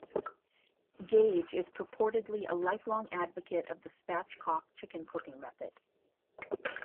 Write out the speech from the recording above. Gage is purportedly a lifelong advocate of the Spatchcock chicken cooking method.